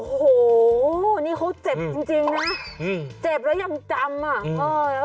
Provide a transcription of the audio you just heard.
โอ้โหนี่เขาเจ็บจริงนะเจ็บแล้วยังจำอ่ะ